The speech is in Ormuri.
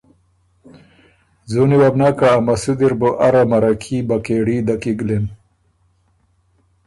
ځُوني وه بو نک که ا مسُودی ر بُو اره مرکي، بکېړي دۀ کی ګلِن۔